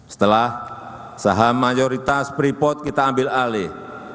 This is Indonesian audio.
setelah saham mayoritas freeport kita ambil alih